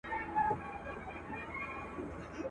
پښتانه لکه مګس ورباندي ګرځي.